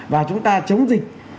và chúng ta chống dịch